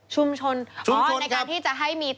ชุมชนอ๋อในการที่จะให้มีต่าง